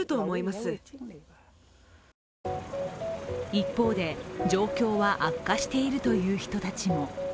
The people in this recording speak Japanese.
一方で、状況は悪化しているという人たちも。